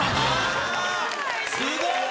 すごーい！